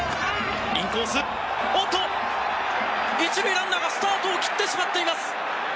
１塁ランナーがスタートを切ってしまっています。